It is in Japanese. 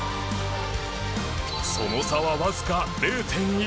その差はわずか０．１７。